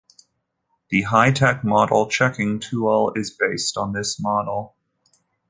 The HyTech model checking tool is based on this model.